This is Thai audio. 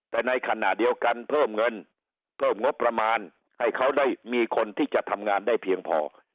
แต่ในขณะเดียวกันเพิ่มเงินเพิ่มงบประมาณให้เขาได้มีคนที่จะทำงานได้เพียงพอ